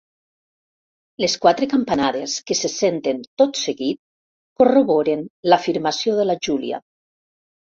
Les quatre campanades que se senten tot seguit corroboren l'afirmació de la Júlia.